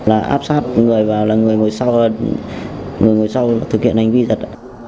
là áp sát người vào là người ngồi sau thực hiện hành vi giật